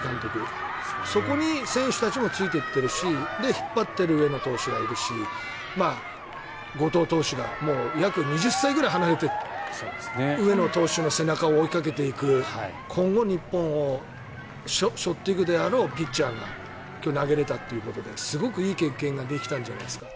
そこに選手たちもついていっているし引っ張っていっている上野投手がいるし後藤投手が約２０歳ぐらい離れている上野投手の背中を追いかけていく今後、日本を背負っていくであろうピッチャーが投げれたということですごくいい経験ができたんじゃないですか？